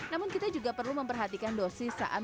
namun kita juga perlu memperhatikan dosis saat mencari jahe